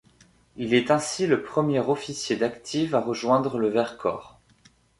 Il est ainsi le premier officier d'active à rejoindre le Vercors.